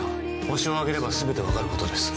ホシを挙げればすべてわかることです